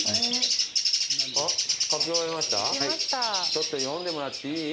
ちょっと読んでもらっていい？